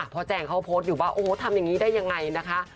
แจงเขาโพสต์อยู่ว่าโอ้โหทำอย่างนี้ได้ยังไงนะคะ